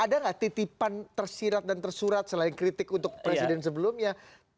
ada nggak titipan tersirat dan tersurat selain kritik untuk presiden sebelumnya